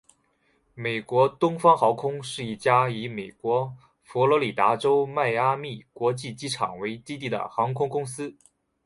美国东方航空是一家以美国佛罗里达州迈阿密国际机场为基地的航空公司。